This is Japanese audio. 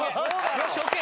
よしＯＫ。